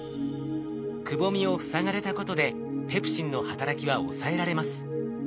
くぼみを塞がれたことでペプシンの働きは抑えられます。